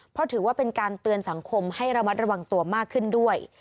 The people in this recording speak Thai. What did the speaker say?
เพราะถือว่าเป็นการเตือนสังคมให้ระมัดระวังตัวมากขึ้นด้วย